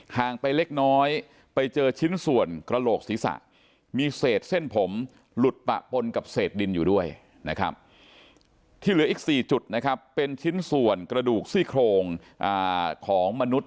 งไปเล็กน้อยไปเจอชิ้นส่วนกระโหลกศีรษะมีเศษเส้นผมหลุดปะปนกับเศษดินอยู่ด้วยนะครับที่เหลืออีก๔จุดนะครับเป็นชิ้นส่วนกระดูกซี่โครงของมนุษย